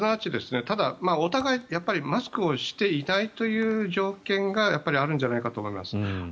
ただ、お互いにマスクをしていないという条件がやっぱりあるんじゃないかと思います。